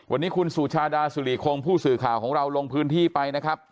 วันนี้คุณสุชาดาสุริคงผู้สื่อข่าวของเราลงพื้นที่ไปนะครับ